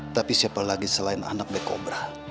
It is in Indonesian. tapi siapa lagi selain anak black cobra